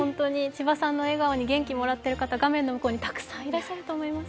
千葉さんの笑顔に元気をもらっている方、たくさんいらっしゃると思います。